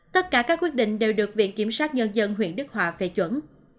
tất cả các quyết định đều được viện kiểm sát nhân dân huyện đức hòa phê chuẩn